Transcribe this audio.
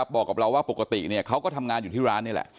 บอกกับเราว่าปกติเขาก็ทำงานอยู่ที่ร้านนี่แหละ